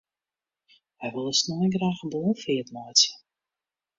Wy wolle snein graach in ballonfeart meitsje.